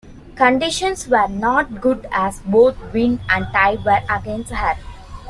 Conditions were not good as both wind and tide were against her.